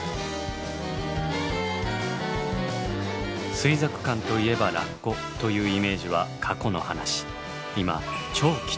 「水族館といえばラッコ」というイメージは過去の話。